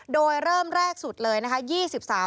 โดยเริ่มแรกสุดเลยนะคะ